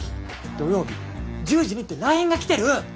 土曜日１０時にってＬＩＮＥが来てる！